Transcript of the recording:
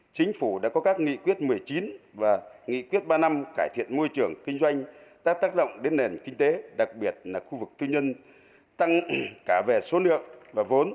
chính phủ đã có các nghị quyết một mươi chín và nghị quyết ba năm cải thiện môi trường kinh doanh đã tác động đến nền kinh tế đặc biệt là khu vực tư nhân tăng cả về số lượng và vốn